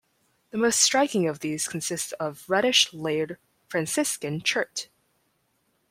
The most striking of these consist of reddish, layered "Franciscan" chert.